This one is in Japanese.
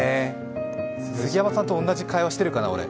杉山さんと同じ会話してるかな、俺。